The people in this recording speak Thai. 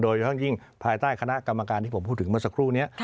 ยิ่งภายใต้คณะกรรมการที่ผมพูดถึงเมื่อสักครู่นี้